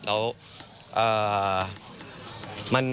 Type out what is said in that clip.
แล้ว